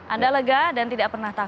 anda lega dan tidak pernah takut